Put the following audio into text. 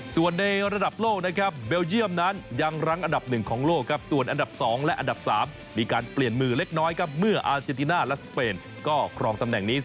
ส่วนในระดับโลกนะครับเบลเยี่ยมนั้นยังรั้งอันดับหนึ่งของโลกครับส่วนอันดับ๒และอันดับ๓มีการเปลี่ยนมือเล็กน้อยครับเมื่ออาเจนติน่าและสเปนก็ครองตำแหน่งนี้